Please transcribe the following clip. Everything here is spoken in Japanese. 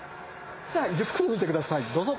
じゃあゆっくり吹いてくださいどうぞ。